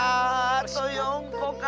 あと４こか。